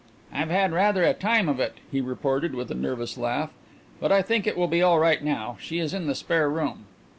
"I've had rather a time of it," he reported, with a nervous laugh, "but I think it will be all right now. She is in the spare room."